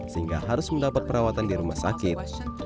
sehingga harus mendapat perawatan di rumah sakit